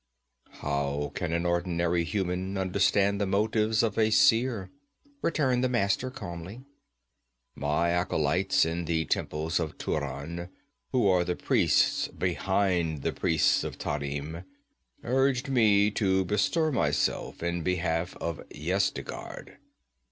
'How can an ordinary human understand the motives of a Seer?' returned the Master calmly. 'My acolytes in the temples of Turan, who are the priests behind the priests of Tarim, urged me to bestir myself in behalf of Yezdigerd.